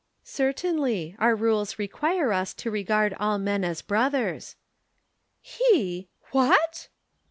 "Certainly. Our rules require us to regard all men as brothers." "He! What?"